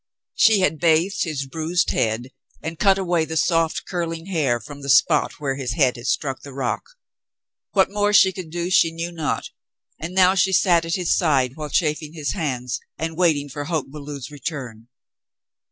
She had bathed his bruised head and cut away the softly curling hair from the spot where his head had struck the rock. What more she could do she knew not, and now she sat at his side still chafing his hands and waiting for Hoke Belew's return.